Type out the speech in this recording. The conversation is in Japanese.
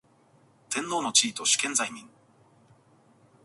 天皇の地位と主権在民